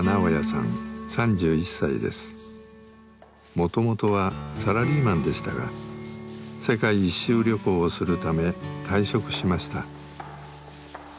もともとはサラリーマンでしたが世界一周旅行をするため退職しました。